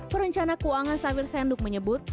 perencanaan keuangan sampir senduk menyebut